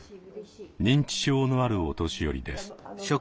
認知症のあるお年寄りです。